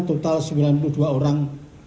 total sembilan puluh dua orang